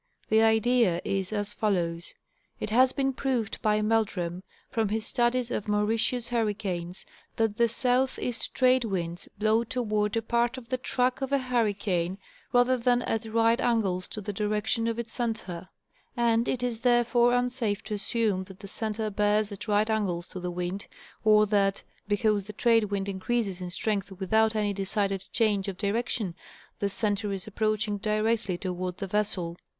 The idea is as follows: It bas been proved by Meldrum, from his studies of Mauritius hurricanes, that the SE. trade winds blow toward a part of the track of a hurricane, rather than at right angles to the direction of its center, and it is therefore unsafe to assume that the center bears at right angles to the wind, or that, because the trade wind increases in strength without any decided change of direction, the center is approaching directly toward the vessel.